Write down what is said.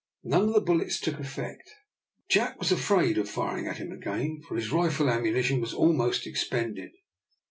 None of the bullets took effect. Jack was afraid of firing at him again, for his rifle ammunition was almost expended.